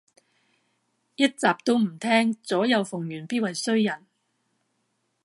一集都唔聼，左右逢源必為衰人